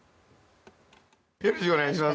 よろしくお願いします。